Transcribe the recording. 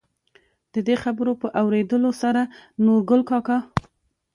د دې خبرو په اورېدلو سره نورګل کاکا،